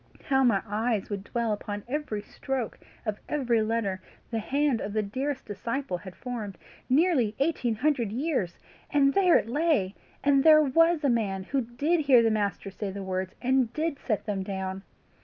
How my eyes would dwell upon every stroke of every letter the hand of the dearest disciple had formed! Nearly eighteen hundred years and there it lay! and there WAS a man who DID hear the Master say the words, and did set them down!